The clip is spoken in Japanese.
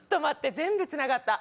全部つながった。